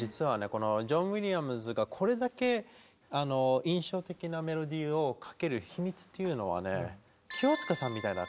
このジョン・ウィリアムズがこれだけ印象的なメロディーを書ける秘密っていうのはねええどう？